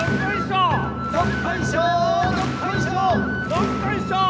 どっこいしょー